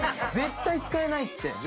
絶対使えないって。